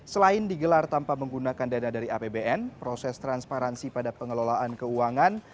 selain digelar tanpa menggunakan dana dari apbn proses transparansi pada pengelolaan keuangan